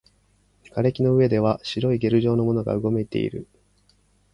瓦礫の上では白いゲル状のものがうごめいている